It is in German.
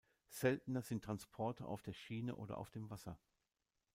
Seltener sind Transporte auf der Schiene oder auf dem Wasser.